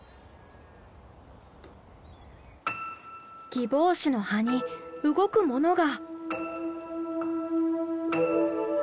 ギボウシの葉に動くものが。